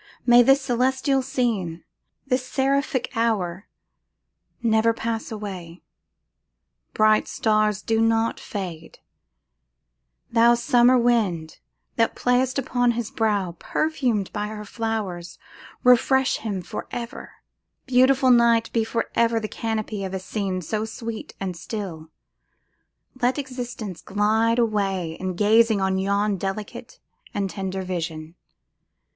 May this celestial scene, this seraphic hour, never pass away. Bright stars! do not fade; thou summer wind that playest upon his brow, perfumed by her flowers, refresh him for ever; beautiful night be for ever the canopy of a scene so sweet and still; let existence glide away in gazing on yon delicate and tender vision!